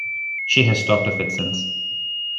She has talked of it since.